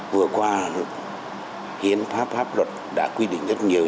vừa qua hiến pháp pháp luật đã quy định rất nhiều